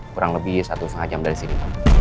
kurang lebih satu setengah jam dari sini